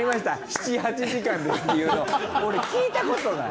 ７８時間ですっていうの俺聞いたことない。